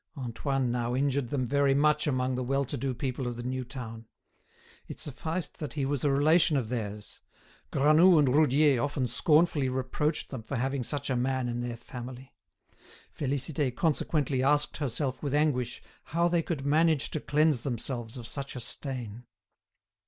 Antoine now injured them very much among the well to do people of the new town. It sufficed that he was a relation of theirs. Granoux and Roudier often scornfully reproached them for having such a man in their family. Félicité consequently asked herself with anguish how they could manage to cleanse themselves of such a stain.